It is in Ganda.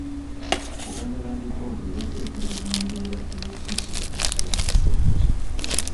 Buganda Land Board ebadde ekolera mu mbeera ey'okutiisibwatiisibwa n'okusoomoozebwa.